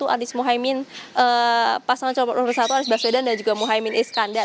anies mohaimin pasangan calon nomor satu anies baswedan dan juga muhaymin iskandar